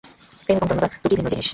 প্রেম এবং যৌনতা দুটিই ভিন্ন জিনিস।